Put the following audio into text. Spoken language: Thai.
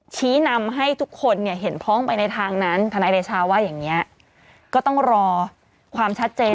ชี้นำให้ทุกคนเนี่ยเห็นพ้องไปในทางนั้นทนายเดชาว่าอย่างนี้ก็ต้องรอความชัดเจน